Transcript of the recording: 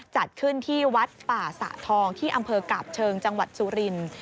จัดขึ้นที่วัดป่าสะทองที่อำเภอกาบเชิงจังหวัดสุรินทร์